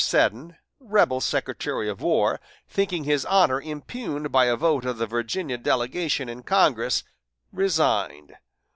Seddon, rebel Secretary of War, thinking his honor impugned by a vote of the Virginia delegation in Congress, resigned.